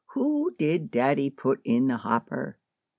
"Who did daddy put in the hopper?"